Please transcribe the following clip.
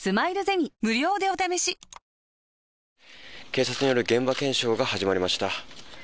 警察による現場検証が始まりました。